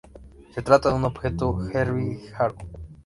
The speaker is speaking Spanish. Se trata de un objeto Herbig-Haro.